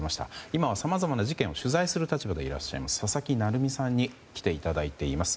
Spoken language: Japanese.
今はさまざまな事件を取材する立場であられます佐々木成三さんに来ていただいています。